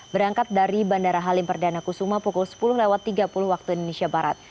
berangkat dari bandara halim perdana kusuma pukul sepuluh tiga puluh waktu indonesia barat